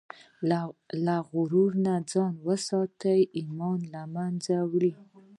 له غرور نه ځان وساته، ایمان له منځه وړي.